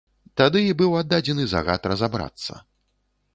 Тады і быў аддадзены загад разабрацца.